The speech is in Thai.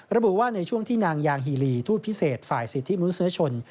ระบุว่าในช่วงที่นางยางฮีลีทูตพิเศษฝ่ายสิทธิมนุษยชน